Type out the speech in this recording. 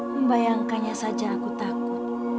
membayangkannya saja aku takut